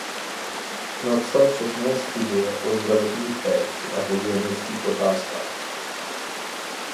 Napsal četné studie o zdravotní péči a hygienických otázkách.